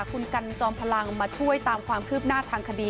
คุณกันจอมพลังมาช่วยตามความคืบหน้าทางคดี